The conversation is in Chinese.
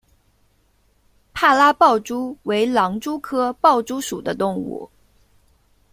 帕拉豹蛛为狼蛛科豹蛛属的动物。